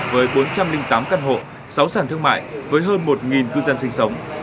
với bốn trăm linh tám căn hộ sáu sản thương mại với hơn một cư dân sinh sống